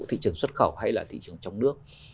thị trường xuất khẩu hay là thị trường trong nước